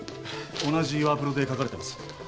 同じワープロで書かれてます。